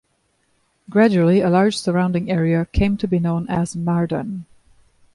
Gradually, a large surrounding area came to be known as Mardan.